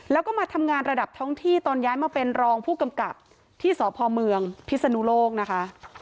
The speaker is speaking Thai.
แล้วก็มาทำงานระดับท้องที่ตอนย้ายมาเป็นรองผู้กำกับที่สพเมืองพิศนุโลกนะคะ